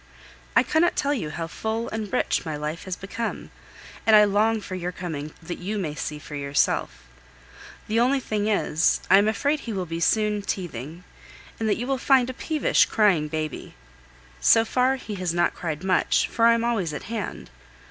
I cannot tell you how full and rich my life has become, and I long for your coming that you may see for yourself. The only thing is, I am afraid he will soon be teething, and that you will find a peevish, crying baby. So far he has not cried much, for I am always at hand.